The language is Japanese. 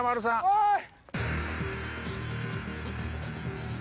おい！